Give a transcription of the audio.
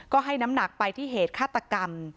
ก็ให้น้ำหนักไปที่เหตุฆาตกรรม